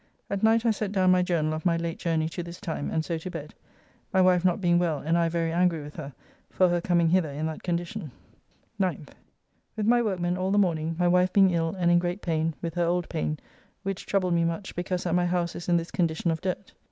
At night I set down my journal of my late journey to this time, and so to bed. My wife not being well and I very angry with her for her coming hither in that condition. 9th. With my workmen all the morning, my wife being ill and in great pain with her old pain, which troubled me much because that my house is in this condition of dirt.